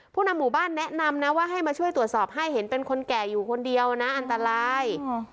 นำหมู่บ้านแนะนำนะว่าให้มาช่วยตรวจสอบให้เห็นเป็นคนแก่อยู่คนเดียวนะอันตราย